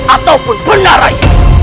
ataupun benar rai